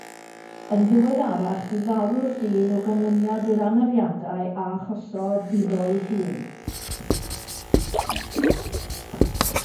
Yn ddiweddarach bu farw'r dyn o ganlyniad i'r anafiadau a achosodd iddo ei hun.